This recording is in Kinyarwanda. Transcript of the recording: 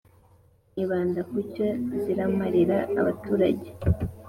nibanda ku cyo rizamarira abaturage